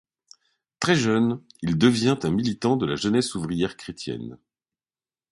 Très jeune, il devient un militant de la Jeunesse ouvrière chrétienne.